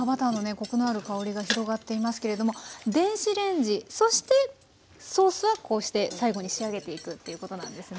コクのある香りが広がっていますけれども電子レンジそしてソースはこうして最後に仕上げていくっていうことなんですね。